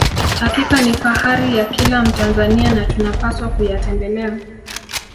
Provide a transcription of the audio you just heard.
hakika ni fahari ya kila mtanzania na tunapaswa kuyatembelea